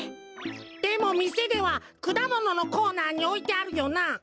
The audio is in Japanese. でもみせではくだもののコーナーにおいてあるよな？